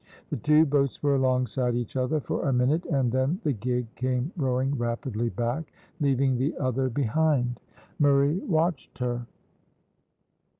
The two boats were alongside each other for a minute, and then the gig came rowing rapidly back, leaving the other behind. Murray watched her.